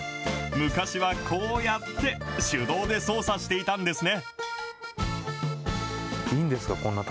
昔はこうやって、手動で操作していたんですね。